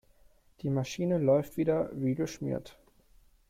Die Maschine läuft wieder wie geschmiert.